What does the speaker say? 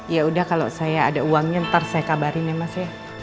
ya udah kalau saya ada uangnya ntar saya kabarin ya mas ya